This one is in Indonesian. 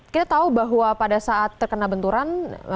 kita tahu bahwa pada saat terkena benturan